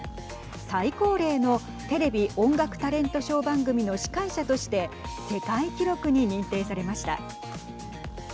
最高齢のテレビ音楽タレントショー番組の司会者として世界記録に認定されました。